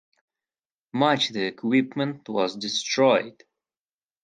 Much the equipment was destroyed.